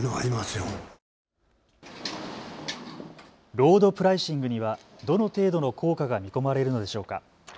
ロードプライシングにはどの程度の効果が見込まれるのでしょうか。